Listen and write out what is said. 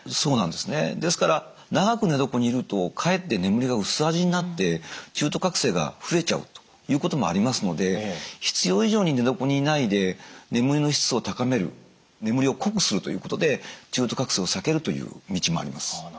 ですから長く寝床にいるとかえって眠りが薄味になって中途覚醒が増えちゃうということもありますので必要以上に寝床にいないで眠りの質を高める眠りを濃くするということで中途覚醒を避けるという道もあります。